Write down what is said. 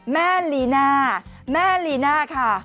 ลีน่าแม่ลีน่าค่ะ